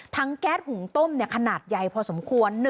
แก๊สหุงต้มขนาดใหญ่พอสมควร